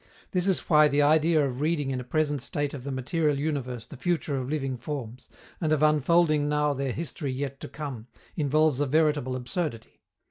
This is why the idea of reading in a present state of the material universe the future of living forms, and of unfolding now their history yet to come, involves a veritable absurdity.